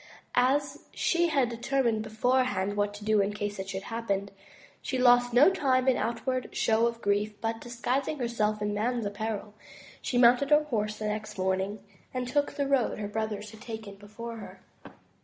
As she had determined beforehand what to do in case it should so happen, she lost no time in outward show of grief, but, disguising herself in man's apparel, she mounted her horse the next morning, and took the road her brothers had taken before her.